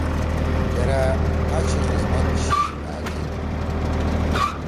یرأ ”آ چھی قسمت چھی مھأ گھیِن“۔